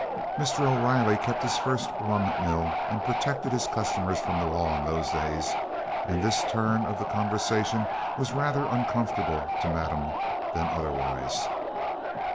Mr. O'Riley kept his first rum mill and protected his customers from the law in those days, and this turn of the conversation was rather uncomfortable to madame than otherwise.